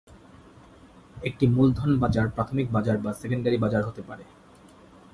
একটি মূলধন বাজার প্রাথমিক বাজার বা সেকেন্ডারি বাজার হতে পারে।